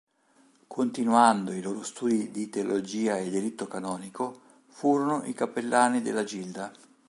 Continuando i loro studi di teologia e diritto canonico, furono i cappellani della gilda.